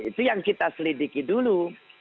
itu yang kita selidiki dulu